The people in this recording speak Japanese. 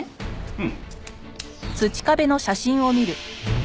うん。